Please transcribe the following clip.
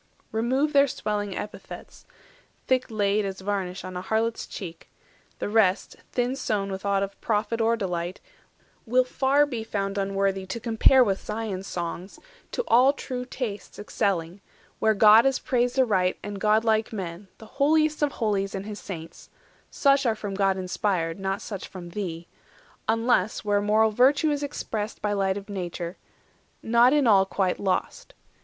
Remove their swelling epithetes, thick laid As varnish on a harlot's cheek, the rest, Thin sown with aught of profit or delight, Will far be found unworthy to compare With Sion's songs, to all true tastes excelling, Where God is praised aright and godlike men, The Holiest of Holies and his Saints (Such are from God inspired, not such from thee); 350 Unless where moral virtue is expressed By light of Nature, not in all quite lost.